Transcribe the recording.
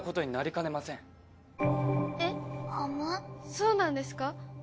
そうなんですか？